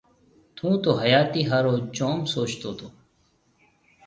ٿُون تو حياتي هارو جوم سوچتو تو